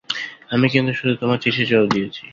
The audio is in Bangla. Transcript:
আমি কিন্তু শুধু তোমার চিঠির জবাব দিয়েছি।